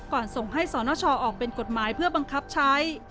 ส่งให้สนชออกเป็นกฎหมายเพื่อบังคับใช้